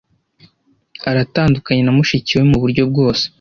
Aratandukanye na mushiki we muburyo bwose.